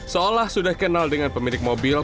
seolah sudah kenal dengan pemilik mobil